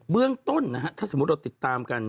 เรื่องต้นนะฮะถ้าสมมุติเราติดตามกัน